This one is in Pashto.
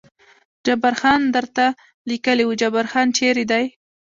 جبار خان درته لیکلي و، جبار خان چېرې دی؟